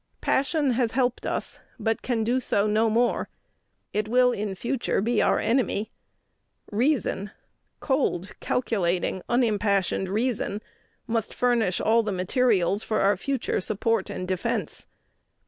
Passion has helped us, but can do so no more. It will in future be our enemy. Reason cold, calculating, unimpassioned reason must furnish all the materials for our future support and defence.